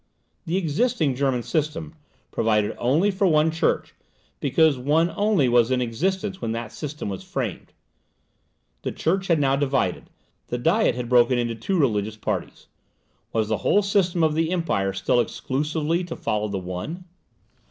The existing German system provided only for one church, because one only was in existence when that system was framed. The church had now divided; the Diet had broken into two religious parties; was the whole system of the Empire still exclusively to follow the one?